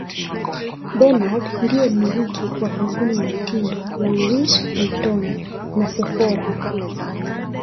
Bernard ndiye mmiliki wa kampuni ya mitindo ya Louis Vuitton na Sephora